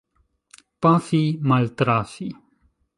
Pafi — maltrafi.